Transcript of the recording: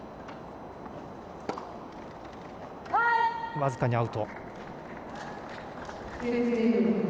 僅かにアウト。